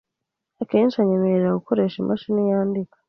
Akenshi anyemerera gukoresha imashini yandika.